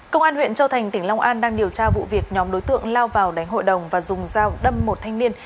công an huyện châu thành tỉnh long an đang điều tra vụ việc nhóm đối tượng lao vào đánh hội đồng và dùng dao đâm một thanh niên